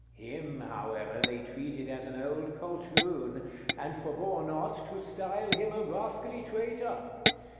Him, however, they treated as an old poltroon; and forbore not to style him a rascally traitor.